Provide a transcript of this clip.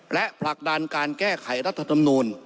และผลักดันการแก้ไขรัฐธรรมนูล